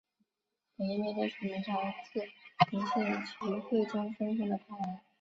本页面列出明朝自明兴宗及明惠宗分封的藩王。